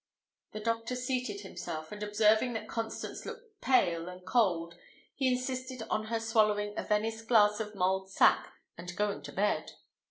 The doctor seated himself, and observing that Constance looked pale and cold, he insisted on her swallowing a Venice glass of mulled sack and going to bed.